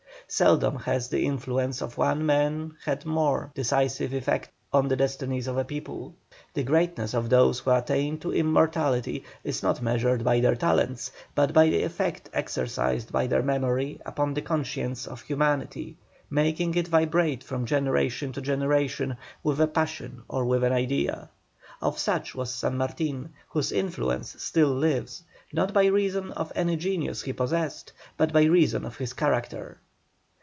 Seldom has the influence of one man had more decisive effect on the destinies of a people. The greatness of those who attain to immortality is not measured by their talents, but by the effect exercised by their memory upon the conscience of humanity, making it vibrate from generation to generation with a passion or with an idea. Of such was San Martin, whose influence still lives, not by reason of any genius he possessed, but by reason of his character.